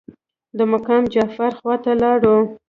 د مقام جعفر خواته لاړو.